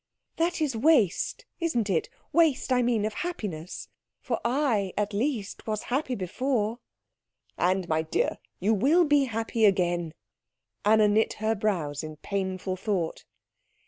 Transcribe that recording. That is waste, isn't it. Waste, I mean, of happiness. For I, at least, was happy before." "And, my dear, you will be happy again." Anna knit her brows in painful thought.